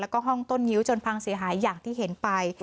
แล้วก็ห้องต้นงิ้วจนพังเสียหายอย่างที่เห็นไป